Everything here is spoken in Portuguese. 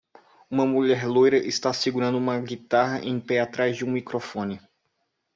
Uma mulher loira está segurando uma guitarra em pé atrás de um microfone.